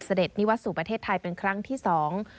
นิวสู่ประเทศไทยเป็นครั้งที่สอง